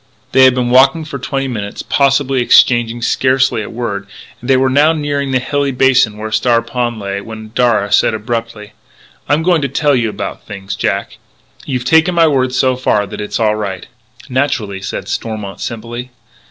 They had been walking for twenty minutes, possibly, exchanging scarcely a word, and they were now nearing the hilly basin where Star Pond lay, when Darragh said abruptly: "I'm going to tell you about things, Jack. You've taken my word so far that it's all right " "Naturally," said Stormont simply.